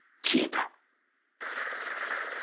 消えた？